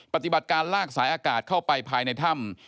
ปฏิบัติการลากสายอากาศเข้าไปภายในถ้ำ